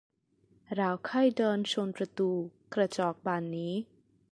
เราเคยเดินชนประตูกระจกบานนี้